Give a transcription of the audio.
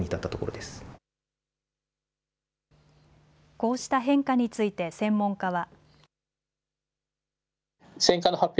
こうした変化について専門家は。